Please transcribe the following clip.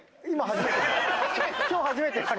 今日初めて。